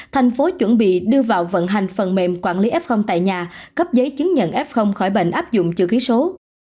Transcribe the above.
thành phố chuẩn bị đưa vào vận hành phần mềm quản lý f tại nhà cấp giấy chứng nhận f khỏi bệnh áp dụng chữ ký số